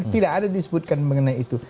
tidak ada disebutkan mengenai itu